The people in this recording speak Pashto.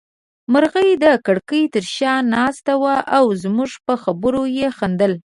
مرغۍ د کړکۍ تر شا ناسته وه او زموږ په خبرو يې خندل.